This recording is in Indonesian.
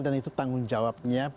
dan itu tanggung jawabnya